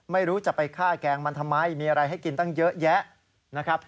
ไม่รู้จะไปฆ่าแกงมันทำไมมีอะไรให้กินตั้งเยอะแยะนะครับ